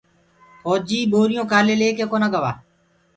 ڦوجيٚ ٻورِيونٚ ڪآلي ليڪي ڪونآ گوآ